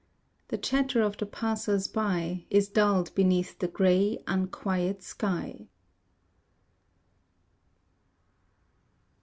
The chatter of the passersby, Is dulled beneath the grey unquiet sky.